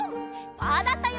パーだったよ！